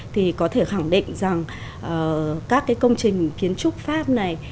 thì có thể khẳng định rằng các cái công trình kiến trúc pháp này